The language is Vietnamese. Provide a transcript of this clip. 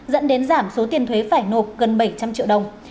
dẫn đến giảm số tiền thuế phải nộp gần bảy trăm linh triệu đồng